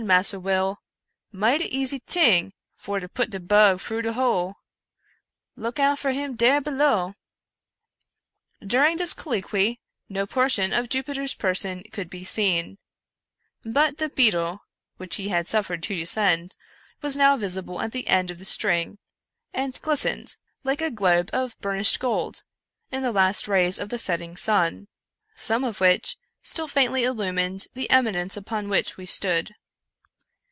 Massa Wiil ; mightA* easy ting for to put de bug fru de hole — ^look out for him dare below !" During this colloquy no portion of Jupiter's person could be seen; but the beetle, which he had suffered to descend, was now \ isible at the end of the string, and glistened, like a globe of burnished gold, in the last rays of the setting sun, some of which still faintly illumined the eminence upon which we stood.